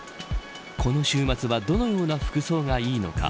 この週末はどのような服装がいいのか。